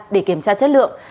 để kiểm tra chất lượng